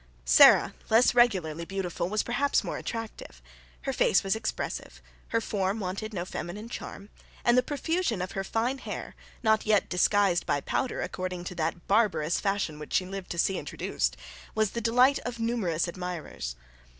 Baron, less regularly beautiful, was perhaps more attractive. Her face was expressive: her form wanted no feminine charm; and the profusion of her fine hair, not yet disguised by powder according to that barbarous fashion which she lived to see introduced, was the delight of numerous admirers.